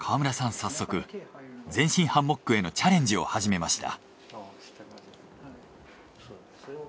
早速全身ハンモックへのチャレンジを始めました。